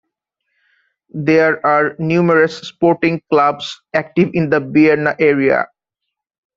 There are numerous sporting clubs active in the Bearna area.